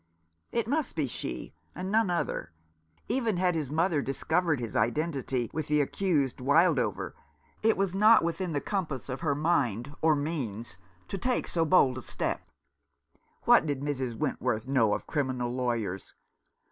It must be she, and none other. Even had his mother discovered his identity with the accused Wildover, it was not within the compass of her mind or means to take so bold a step. What did Mrs. Wentworth know of criminal lawyers